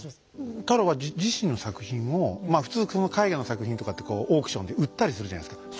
太郎は自身の作品を普通絵画の作品とかってオークションで売ったりするじゃないですか。